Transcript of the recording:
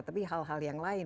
tapi hal hal yang lain